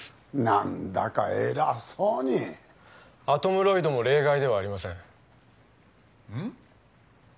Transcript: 何だか偉そうにアトムロイドも例外ではありませんうん？